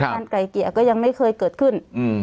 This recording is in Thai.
ไกลเกลี่ยก็ยังไม่เคยเกิดขึ้น